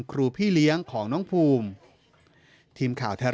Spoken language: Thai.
ครูพี่เลี้ยงของน้องภูมิ